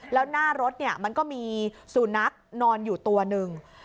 แล้วหน้ารถมันก็มีสุนัขนอนอยู่ตัวหนึ่ง